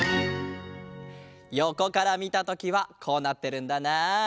よこからみたときはこうなってるんだなあ。